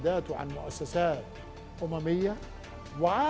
dan menggunakan maksud politik dan kebenaran negara